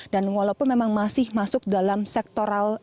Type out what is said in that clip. dan walaupun memang masih masuk dalam sektor